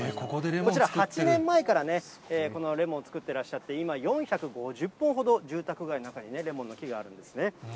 こちら８年前から、このレモン作ってらっしゃって、今、４５０本ほど、住宅街の中にレモンの木があるんですね。